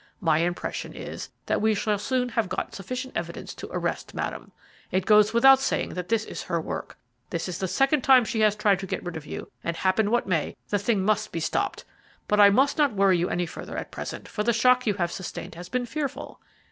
My impression is that we shall soon have got sufficient evidence to arrest Madame. It goes without saying that this is her work. This is the second time she has tried to get rid of you; and, happen what may, the thing must be stopped. But I must not worry you any further at present, for the shock you have sustained has been fearful."